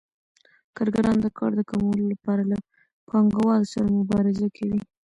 کارګران د کار د کمولو لپاره له پانګوالو سره مبارزه کوي